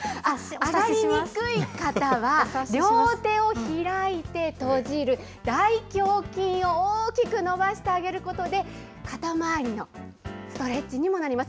挙がりにくい方は、両手を開いて閉じる、大胸筋を大きく伸ばしてあげることで、肩周りのストレッチにもなります。